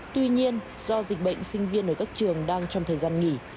tuy nhiên do dịch bệnh sinh viên ở các trường đang trong thời gian nghỉ